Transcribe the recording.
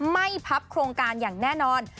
ไม่พับโครงการอย่างแน่นอน